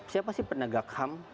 siapa sih penegak ham